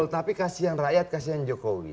tapi kasian rakyat kasian jokowi